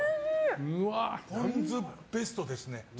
ポン酢、ベストですね。